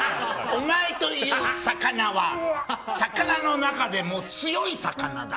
お前という魚は魚の中でも強い魚だ。